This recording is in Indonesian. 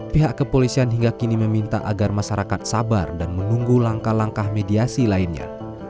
pihak kepolisian hingga kini meminta agar masyarakat sabar dan menunggu langkah langkah mediasi lainnya